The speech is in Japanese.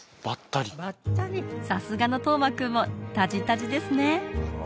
ばったりさすがの登眞君もたじたじですね